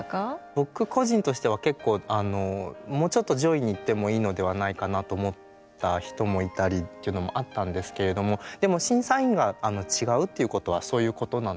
僕個人としては結構もうちょっと上位に行ってもいいのではないかなと思った人もいたりっていうのもあったんですけれどもでも審査員が違うということはそういうことなんですね。